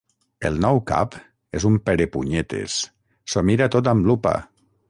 El nou cap és un perepunyetes. S'ho mira tot amb lupa.